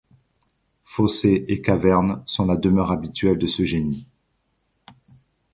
Fossés et cavernes sont la demeure habituelle de ce génie.